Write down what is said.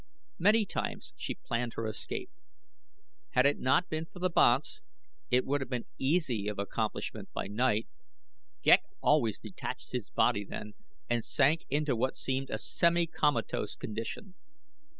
Many times she planned her escape. Had it not been for the banths it had been easy of accomplishment by night. Ghek always detached his body then and sank into what seemed a semi comatose condition.